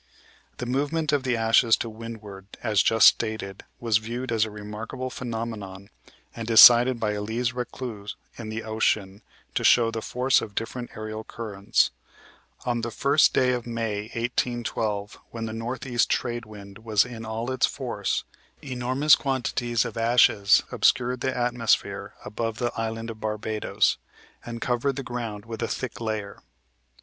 The movement of the ashes to windward, as just stated, was viewed as a remarkable phenomenon, and is cited by Elise Reclus, in "The Ocean," to show the force of different aerial currents; "On the first day of May, 1812, when the northeast trade wind was in all its force, enormous quantities of ashes obscured the atmosphere above the Island of Barbados, and covered the ground with a thick layer.